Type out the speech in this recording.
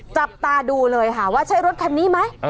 จับตาดูเลยค่ะว่าใช่รถคันนี้ไหม